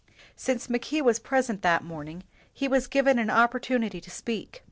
Since Mackay was present that morning, he was given an opportunity to speak.